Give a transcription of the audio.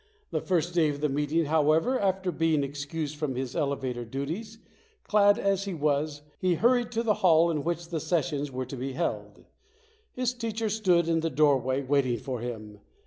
The first day of the meeting, however, after being excused from his elevator duties, clad as he was, he hurried to the hall in which the ses sions were to be held. His teacher stood in the doorway waiting for him.